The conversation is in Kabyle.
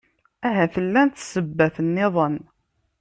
Ahat llant ssebbat-nniḍen.